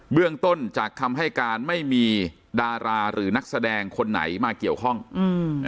เรื่องต้นจากคำให้การไม่มีดาราหรือนักแสดงคนไหนมาเกี่ยวข้องอืม